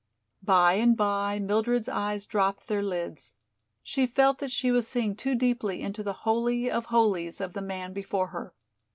By and by Mildred's eyes dropped their lids. She felt that she was seeing too deeply into the holy of holies of the man before her.